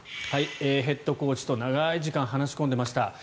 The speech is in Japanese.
ヘッドコーチと長い時間話し込んでいました。